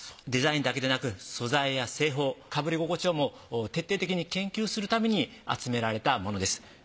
デザインだけでなく素材や製法被り心地をも徹底的に研究するために集められたものです。